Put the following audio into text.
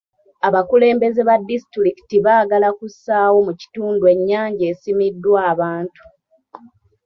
Abakulembeze ba disitulikiti baagala kussaawo mu kitundu ennyanja esimiddwa abantu.